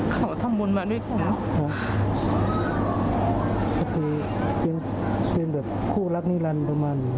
เขาทำบุญมาด้วยกันเนอะก็คือเป็นแบบคู่รักนิรันดิ์ประมาณนี้